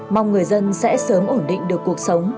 mong người dân sẽ sớm ổn định được cuộc sống